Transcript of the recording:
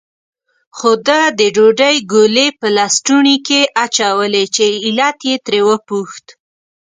خو ده د ډوډۍ ګولې په لستوڼي کې اچولې، چې علت یې ترې وپوښت.